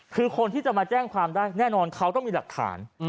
คือคนที่จะมาแจ้งความได้แน่นอนเขาต้องมีหลักฐาน